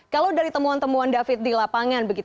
kalau dari temuan temuan david di lapangan